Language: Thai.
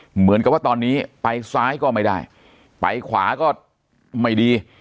เหมือนกับว่าตอนนี้ไปซ้ายก็ไม่ได้ไปขวาก็ไม่ดี